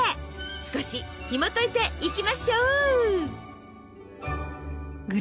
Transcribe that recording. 少しひもといていきましょう！